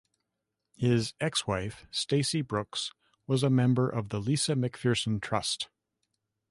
His ex-wife, Stacy Brooks, was a member of the Lisa McPherson Trust.